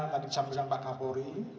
tadi sama sama pak kapori